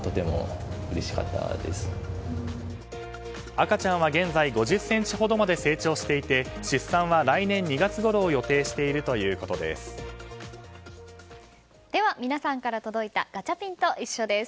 赤ちゃんは現在５０ｃｍほどまで成長していて出産は来年２月ごろを予定しているということです。